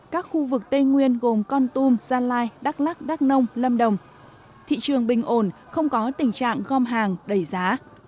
các khu vực tây nguyên gồm con tum gia lai đắk lắc đắk nông lâm đồng thị trường bình ổn không có tình trạng gom hàng đầy giá